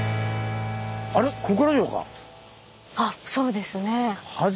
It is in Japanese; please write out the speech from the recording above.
あそうですね。